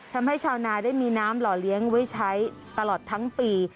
ทำให้ชาวนาได้มีน้ำหล่อเลี้ยงไว้ใช้ตลอดทั้งปี